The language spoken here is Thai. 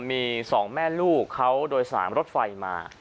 มี๒แม่ลูกเขาโดยสารรถไฟมา